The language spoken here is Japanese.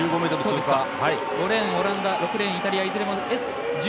５レーン、オランダ６レーン、イタリア、Ｓ１０。